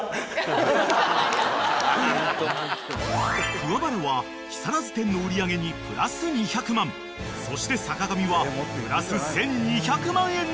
［桑原は木更津店の売り上げにプラス２００万そして坂上はプラス１，２００万円の予想］